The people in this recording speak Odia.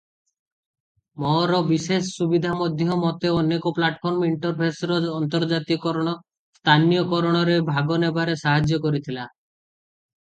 ମୋର ବିଶେଷ ସୁବିଧା ମଧ୍ୟ ମୋତେ ଅନେକ ପ୍ଲାଟଫର୍ମ ଇଣ୍ଟରଫେସର ଅନ୍ତର୍ଜାତୀୟକରଣ, ସ୍ଥାନୀୟକରଣରେ ଭାଗନେବାରେ ସାହାଯ୍ୟ କରିଥିଲା ।